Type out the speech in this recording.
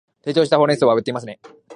冷凍したほうれん草は売っていますね